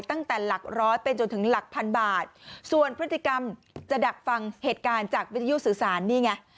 ตั้งแต่หลักร้อยเป็นจนถึงหลักพันบาทส่วนพฤติกรรมจะดักฟังเหตุการณ์จากวิทยุสื่อสารนี่ไง